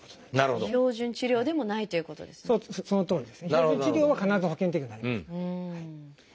標準治療は必ず保険適用になりますから。